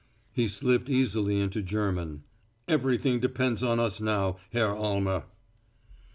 He slipped easily into German. "Everything depends on us now, Herr Almer."